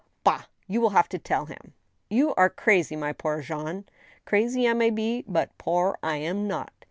" Bah ! you will have to tell him." ." You are crazy, my poor Jean I "" Crazy I may be, but poor I am not.